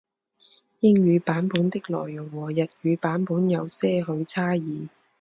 英语版本的内容和日语版本有些许差异。